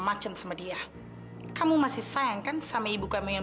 kamu tidak percaya saya bukan